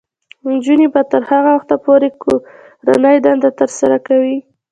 نجونې به تر هغه وخته پورې کورنۍ دندې ترسره کوي.